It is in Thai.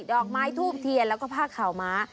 ดอกไม้ทูบเทียนแล้วก็ผ้าข่าวม้า